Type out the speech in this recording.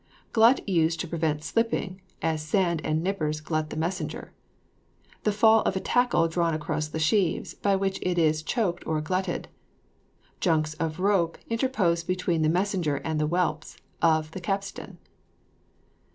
Glut used to prevent slipping, as sand and nippers glut the messenger; the fall of a tackle drawn across the sheaves, by which it is choked or glutted; junks of rope interposed between the messenger and the whelps of the capstan.